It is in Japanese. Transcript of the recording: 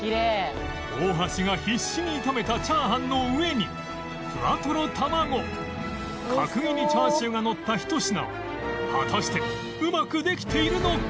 大橋が必死に炒めた炒飯の上にふわとろたまご角切りチャーシューがのったひと品は果たしてうまくできているのか？